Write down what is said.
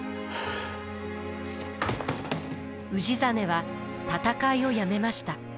氏真は戦いをやめました。